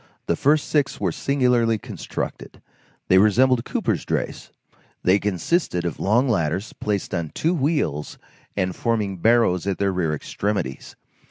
The first six were singularly constructed. They resembled coopers' drays; they consisted of long ladders placed on two wheels and forming barrows at their rear extremities.